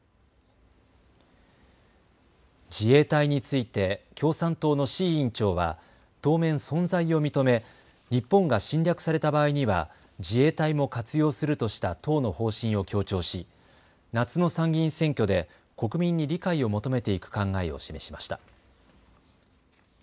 自衛隊について共産党の志位委員長は当面、存在を認め日本が侵略された場合には自衛隊も活用するとした党の方針を強調し夏の参議院選挙で国民に理解を求めていく考えを示しました。